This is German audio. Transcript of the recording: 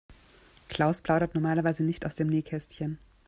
Klaus plaudert normalerweise nicht aus dem Nähkästchen.